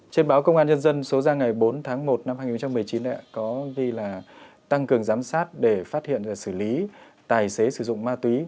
trên báo công an nhân dân số ra ngày bốn tháng một năm hai nghìn một mươi chín có ghi là tăng cường giám sát để phát hiện và xử lý tài xế sử dụng ma túy